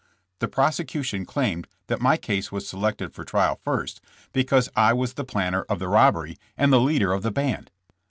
The prosecution claimed that my case was selected for trial first because I was the planner of the robbery and the leader of the band.